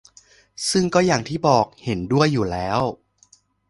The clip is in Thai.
ซึ่งก็อย่างที่บอก เห็นด้วยอยู่แล้ว